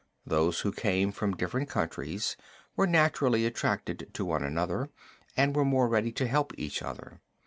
Those who came from different countries were naturally attracted to one another, and were more ready to help each other.